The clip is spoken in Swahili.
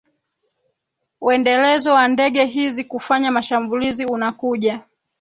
wendelezo wa ndege hizi kufanya mashambulizi unakuja